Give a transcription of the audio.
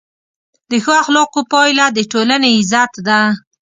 د ښو اخلاقو پایله د ټولنې عزت ده.